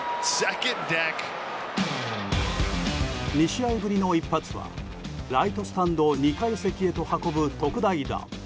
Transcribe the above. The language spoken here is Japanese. ２試合ぶりの一発はライトスタンド２階席へと運ぶ特大弾。